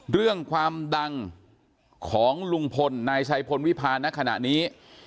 เรื่องความดังของลุงพลนายชัยพลวิพาณขณะนี้